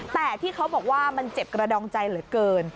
แต่ที่เขาบอกว่ามันเจ็บกระดองใจเหลือเกิน